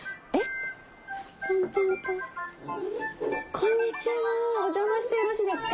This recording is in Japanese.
こんにちはお邪魔してよろしいですか？